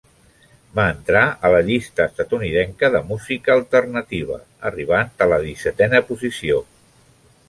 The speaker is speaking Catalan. Va entrar a la llista estatunidenca de música alternativa, arribant a la dissetena posició.